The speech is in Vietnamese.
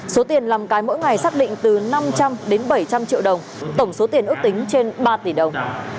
số tiền làm cái mỗi ngày xác định từ năm trăm linh đến bảy trăm linh triệu đồng tổng số tiền ước tính trên ba tỷ đồng